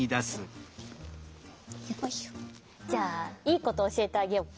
じゃあいいことおしえてあげよっか。